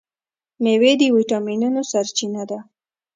میوې د ویټامینونو سرچینه ده.